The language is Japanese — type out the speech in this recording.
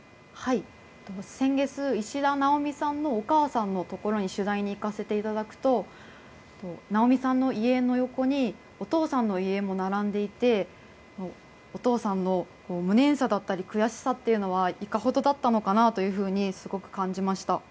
先月、石田奈央美さんのお母さんのところに取材に行かせていただくと奈央美さんの遺影の横にお父さんの遺影も並んでいてお父さんの無念さだったり悔しさというのはいかほどだったのかとすごく感じました。